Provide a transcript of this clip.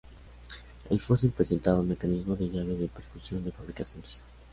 El fusil presentaba un mecanismo de llave de percusión de fabricación suiza.